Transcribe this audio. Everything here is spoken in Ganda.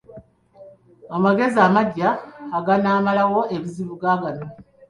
Amagezi amaggya aganaamalawo ebizibu gaagano.